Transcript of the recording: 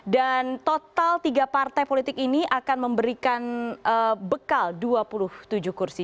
dan total tiga partai politik ini akan memberikan bekal dua puluh tujuh kursi